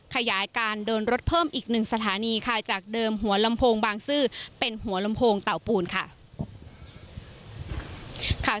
ขยายการเดินรถเพิ่มอีกหนึ่งสถานีค่ะจากเดิมหัวลำโพงบางซื่อเป็นหัวลำโพงเต่าปูนค่ะ